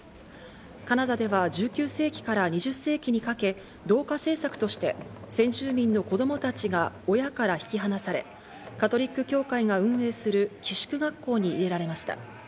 カナダでは１９世紀から２０世紀にかけ、同化政策として先住民の子供たちが親から引き離され、カトリック教会が運営する寄宿学校に入れられました。